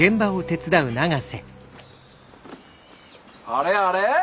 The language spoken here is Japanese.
あれあれ？